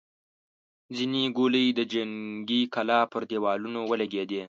ځينې ګولۍ د جنګي کلا پر دېوالونو ولګېدې.